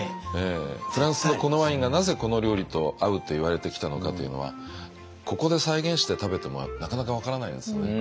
フランスのこのワインがなぜこの料理と合うっていわれてきたのかというのはここで再現して食べてもなかなか分からないんですよね。